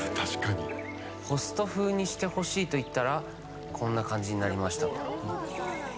ホスト風にしてほしいと言ったらこんな感じになりましたと。